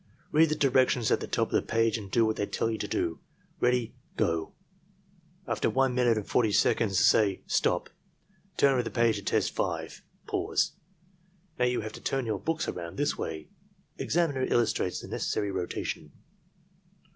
Read the directions at the top of the page and do what they tell you to do. — ^Ready — Go!" 158 ARMY MENTAL TESTS After 1 minute and 40 seconds, say "STOP! Turn over the page to test 5." "Now you have to turn your books around this way." (Examiner illustrates the necessary rota tion.)